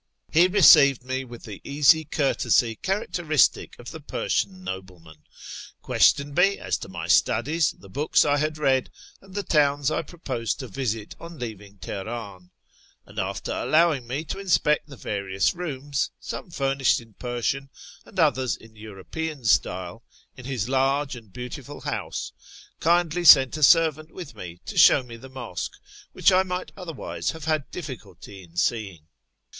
He received me with the easy courtesy characteristic of the Persian nobleman ; questioned me as to my studies, the books I had read, and the towns I proposed to visit on leaving Teheran ; and, after allowing me to inspect the various rooms (some furnished in Persian and others in European style) in his large and beautiful house, kindly sent a servant with me to show me the mosque, which I might otherwise have had difficulty in seeing.